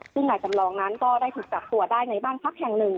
ซึ่งนายจำลองนั้นก็ได้ถูกจับตัวได้ในบ้านพักแห่งหนึ่ง